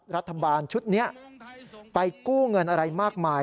รัฐบาลชุดนี้ไปกู้เงินอะไรมากมาย